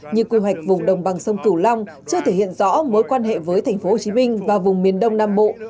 như quy hoạch vùng đồng bằng sông cửu long chưa thể hiện rõ mối quan hệ với tp hcm và vùng miền đông nam bộ